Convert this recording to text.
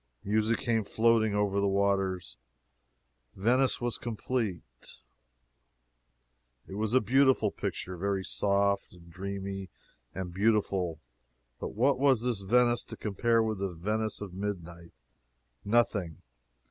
Music came floating over the waters Venice was complete. It was a beautiful picture very soft and dreamy and beautiful. But what was this Venice to compare with the Venice of midnight? Nothing.